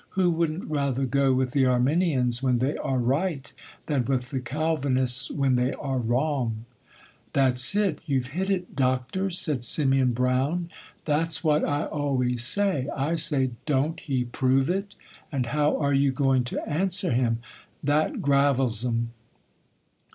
Who wouldn't rather go with the Arminians when they are right, than with the Calvinists when they are wrong?' 'That's it,—you've hit it, Doctor,' said Simeon Brown. 'That's what I always say. I say, 'Don't he prove it? and how are you going to answer him?' That gravels 'em.